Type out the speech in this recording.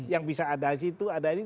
yang bisa ada di situ ada di sini